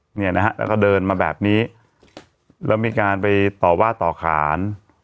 เนี่ยนะฮะแล้วก็เดินมาแบบนี้แล้วมีการไปต่อว่าต่อขาน